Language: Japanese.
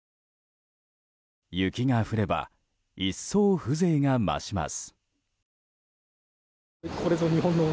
雪が降れば一層、風情が増します。